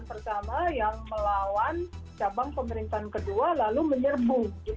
pemerintah pertama yang melawan cabang pemerintah kedua lalu menyerbu